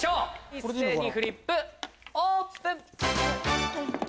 一斉にフリップオープン！